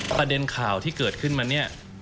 ประเด็นข่าวที่เกิดขึ้นมาเนี่ย